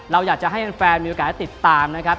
เราอยากจะให้แฟนมีโอกาสได้ติดตามนะครับ